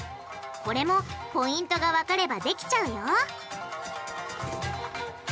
これもポイントがわかればできちゃうよ